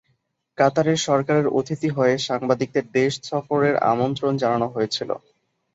কাতারের সরকারের অতিথি হয়ে সাংবাদিকদের দেশ সফরের আমন্ত্রণ জানানো হয়েছিল।